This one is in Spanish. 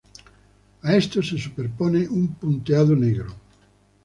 A esto se superpone un punteado negro.